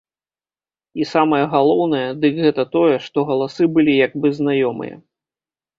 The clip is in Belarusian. І самае галоўнае, дык гэта тое, што галасы былі як бы знаёмыя.